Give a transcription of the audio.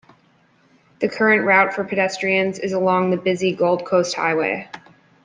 The current route for pedestrians is along the busy Gold Coast highway.